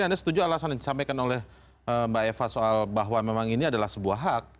anda setuju alasan yang disampaikan oleh mbak eva soal bahwa memang ini adalah sebuah hak